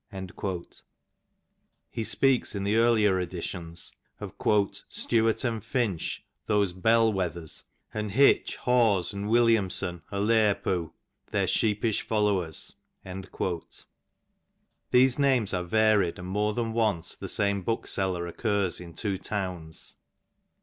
'*^ He speaks in the earlier editions of " Stuart " and Finch, those Bell wethers, and Hitch, Haws on Williamson " o Lerpoo, ther sheepish followers/' These names are varied, and more than once the same bookseller occurs in two towns.